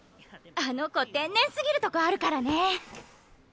あの子天然すぎるとこあるからね。